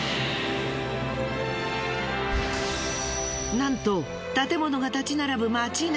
なんと建物が立ち並ぶ街中。